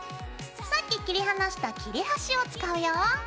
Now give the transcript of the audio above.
さっき切り離した切れ端を使うよ。